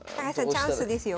チャンスですよ。